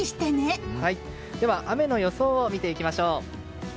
では雨の予想を見ていきましょう。